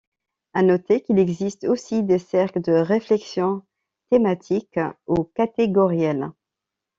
À noter qu'il existe aussi des cercles de réflexion thématique ou catégorielle.